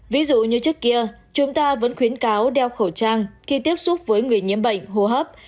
ví dụ như trước kia chúng ta vẫn khuyến cáo đeo khẩu trang khi tiếp xúc với người nhiễm bệnh hô hấp